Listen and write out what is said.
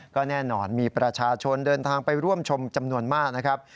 ก็แน่นอนมีประชาชนเดินทางไปร่วมชมจำนวนมากนะครับ